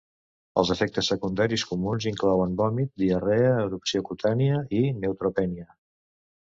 Els efectes secundaris comuns inclouen vòmit, diarrea erupció cutània, i neutropènia.